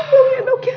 tolong ya dok ya